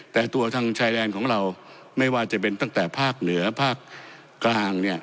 แต่ตัวทางชายแดนของเราไม่ว่าจะเป็นตั้งแต่ภาคเหนือภาคกลางเนี่ย